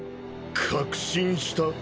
確信した？